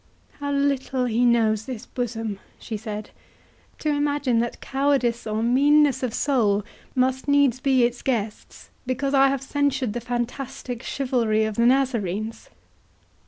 "How little he knows this bosom," she said, "to imagine that cowardice or meanness of soul must needs be its guests, because I have censured the fantastic chivalry of the Nazarenes!